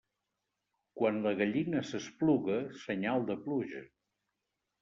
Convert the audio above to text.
Quan la gallina s'espluga, senyal de pluja.